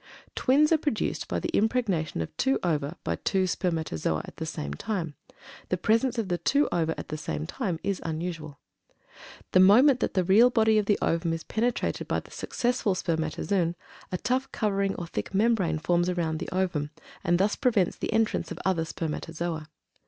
[Twins are produced by the impregnation of two ova by two spermatozoa, at the same time. The presence of the two ova at the same time is unusual]. The moment that the real body of the ovum is penetrated by the successful spermatozoon, a tough covering or thick membrane forms around the ovum and thus prevents the entrance of other spermatozoa.